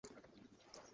কেউ আছো এখানে?